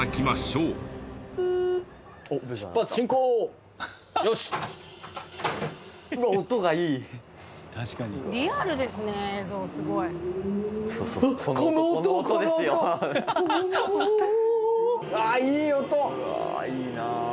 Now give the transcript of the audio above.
うわあいいなあ。